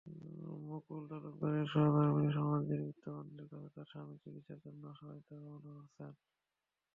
মুকুল তালুকদারের সহধর্মিণী সমাজের বিত্তবানদের কাছে তাঁর স্বামীর চিকিৎসার জন্য সহায়তা কামনা করেছেন।